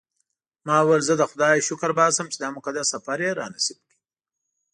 ما وویل زه د خدای شکر باسم چې دا مقدس سفر یې نصیب کړ.